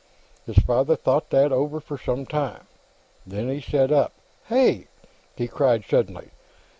His father thought that over for some time. Then he sat up. "Hey!" he cried, suddenly.